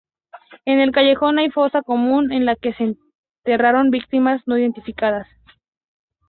En el Callejón hay fosa común, en la que se enterraron víctimas no identificadas.